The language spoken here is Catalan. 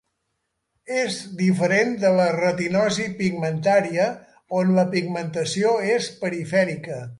És diferent de la retinosi pigmentària, on la pigmentació és perifèrica.